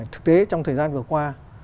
thực tế trong thời gian vừa qua